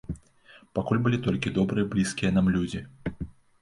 Пакуль былі толькі добрыя блізкія нам людзі.